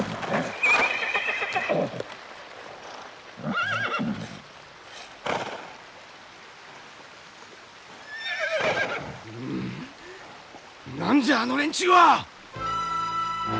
むう何じゃあの連中は！？